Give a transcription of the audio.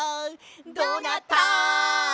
「どうなった？」